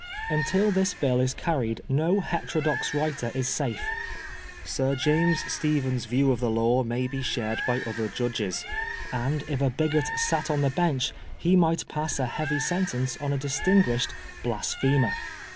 Until this Bill is carried no heterodox writer i» safe. Sir James Stephen's view of the law may be shared by other judges^ and if a bigot sat on the bench he might pass a heavy sentence on a dis tinguished "blasphemer."